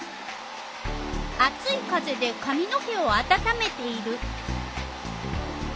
あつい風でかみの毛をあたためている。